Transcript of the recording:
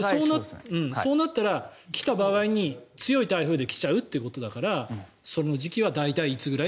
そうなった場合は、来た場合に強い台風で来ちゃうってことだからその時期は大体、いつぐらい？